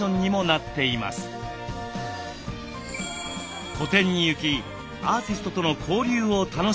個展に行きアーティストとの交流を楽しむ人も。